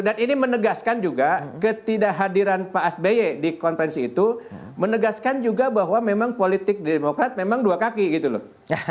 dan ini menegaskan juga ketidakhadiran pak asbeye di konferensi itu menegaskan juga bahwa memang politik di demokrat memang dua kaki gitu loh